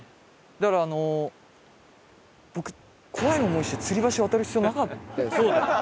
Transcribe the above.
だからあの僕怖い思いして吊橋渡る必要なかったですね。